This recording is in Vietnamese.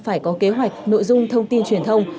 phải có kế hoạch nội dung thông tin truyền thông